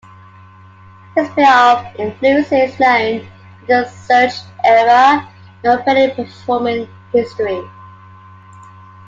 His period of influence is known as the Schuch era in operatic performing history.